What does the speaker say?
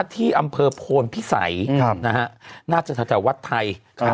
ที่อำเภอโพลพิสัยหน้าจัตรวัดไทย